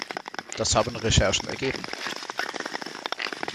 Das haben Recherchen ergeben.